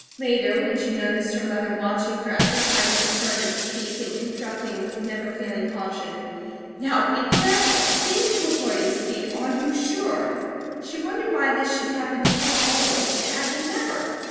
Later, when she noticed her mother watching her every time she started to speak, and interrupting with the never failing caution: "Now be careful! THINK before you speak! Are you SURE?" she wondered why this should happen to her always, to Adam never.